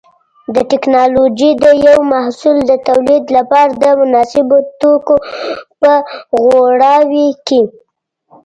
د ټېکنالوجۍ د یو محصول د تولید لپاره د مناسبو توکو په غوراوي کې.